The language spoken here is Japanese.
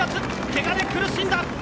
けがで苦しんだ。